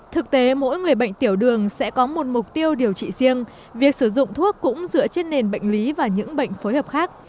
thực tế mỗi người bệnh tiểu đường sẽ có một mục tiêu điều trị riêng việc sử dụng thuốc cũng dựa trên nền bệnh lý và những bệnh phối hợp khác